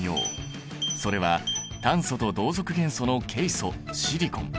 それは炭素と同族元素のケイ素シリコン。